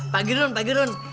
pak girun pak girun